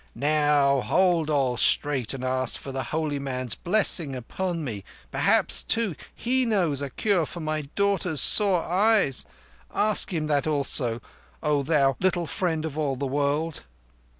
Now hold all straight and ask for the holy man's blessing upon me. Perhaps, too, he knows a cure for my daughter's sore eyes. Ask. him that also, O thou Little Friend of all the World."